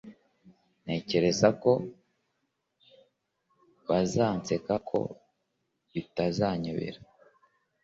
ntekereza ko bazanseka ko bitazanyorohera